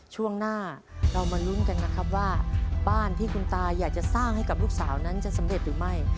ช่วงหน้าเรามาลุ้นกันนะครับว่าบ้านที่คุณตาอยากจะสร้างให้กับลูกสาวนั้นจะสำเร็จหรือไม่